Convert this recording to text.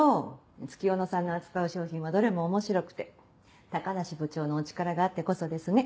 月夜野さんの扱う商品はどれも面白くて高梨部長のお力があってこそですね。